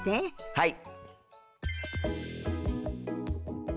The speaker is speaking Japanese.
はい。